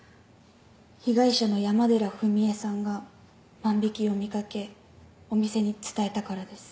被害者の山寺史絵さんが万引を見掛けお店に伝えたからです。